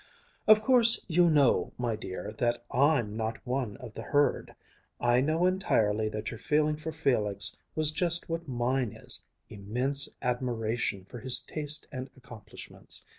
"Of course, you know, my dear, that I'm not one of the herd. I know entirely that your feeling for Felix was just what mine is immense admiration for his taste and accomplishments.